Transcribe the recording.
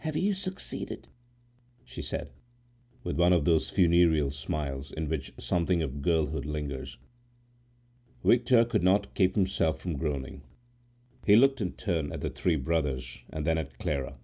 "Have you succeeded?" she said, with one of those funereal smiles in which something of girlhood lingers. Victor could not keep himself from groaning. He looked in turn at the three brothers, and then at Clara.